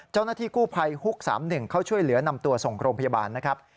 เจ้าหน้าที่กู้ภัยฮุก๓๑เข้าช่วยเหลือนำตัวส่งโรงพยาบาลนะครับ